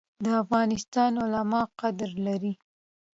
د افغانستان علما قدر لري